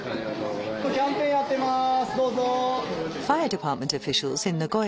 キャンペーンやってます。